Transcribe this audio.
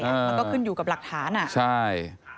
มันก็ขึ้นอยู่กับหลักฐาน